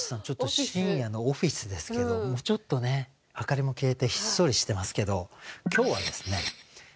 ちょっと深夜のオフィスですけどもうちょっとね明かりも消えてひっそりしてますけど今日はですね